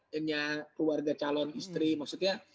hanya keluarga calon istri maksudnya